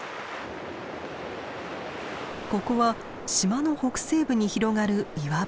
ここは島の北西部に広がる岩場。